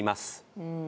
うん。